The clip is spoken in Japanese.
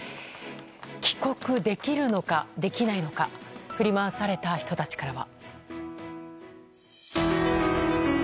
帰国できるのか、できないのか振り回された人たちからは。